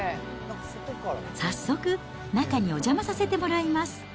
早速、中にお邪魔させてもらいます。